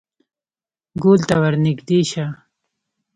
_ګول ته ور نږدې شه.